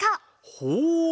ほう。